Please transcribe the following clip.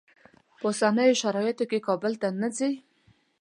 که په اوسنیو شرایطو کې کابل ته نه ځې.